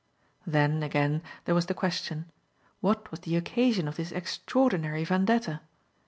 Then, again, there was the question! What was the occasion of this extraordinary vendetta?